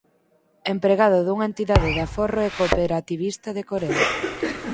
Empregado dunha entidade de aforro e cooperativista de Coren.